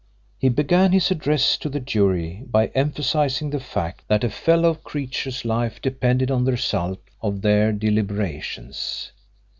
He began his address to the jury by emphasising the fact that a fellow creature's life depended on the result of their deliberations.